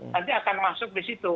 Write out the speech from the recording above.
nanti akan masuk di situ